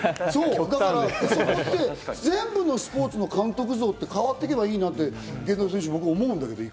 そこって、全部のスポーツの監督像って変わっていけばいいなって思うんだけど、源田選手。